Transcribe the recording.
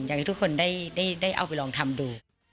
อยากให้ทุกคนได้เอาไปลองทำดู